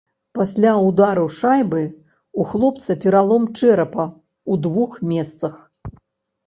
Пасля ўдару шайбы ў хлопца пералом чэрапа ў двух месцах.